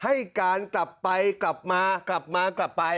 ให้การกลับไปกลับมากลับมากลับไป